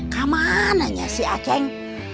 kamananya si aceng